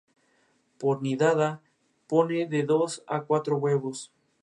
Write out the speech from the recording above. Por nidada pone de dos a cuatro huevos.